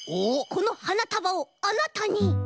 このはなたばをあなたに！